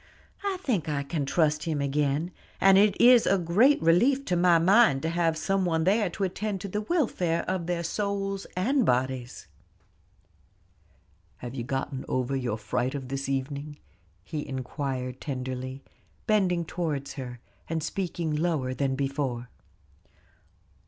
I think I can trust him again, and it is a great relief to my mind to have some one there to attend to the welfare of their souls and bodies." "Have you gotten over your fright of this evening?" he inquired tenderly, bending towards her, and speaking lower than before.